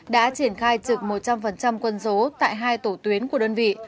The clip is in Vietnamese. đã triển khai trực một trăm linh quân số tại hai tổ tuyến của đơn vị